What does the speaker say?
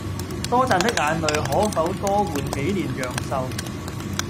多賺的眼淚可否多換幾年陽壽？